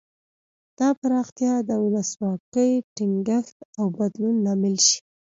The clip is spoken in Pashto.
دا پراختیا د ولسواکۍ ټینګښت او بدلون لامل شي.